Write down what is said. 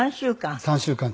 ３週間？